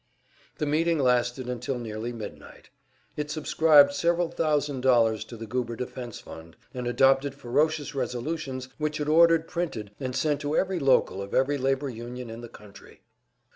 The meeting lasted until nearly midnight. It subscribed several thousand dollars to the Goober defense fund, and adopted ferocious resolutions which it ordered printed and sent to every local of every labor union in the country.